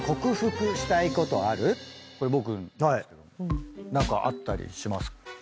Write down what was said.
これ僕なんですけど何かあったりしますか？